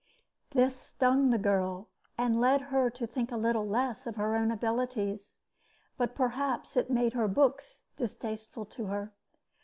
This stung the girl, and led her to think a little less of her own abilities; but perhaps it made her books distasteful to her.